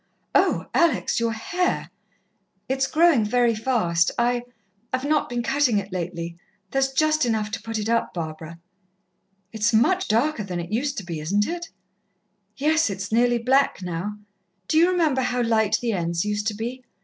"Oh, Alex! Your hair!" "It's growing very fast. I I've not been cutting it lately. There's just enough to put it up, Barbara." "It's much darker than it used to be, isn't it?" "Yes, it's nearly black now. Do you remember how light the ends used to be?